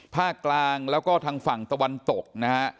ภาคกลางแล้วก็ทางฝั่งตะวันตกนะฮะ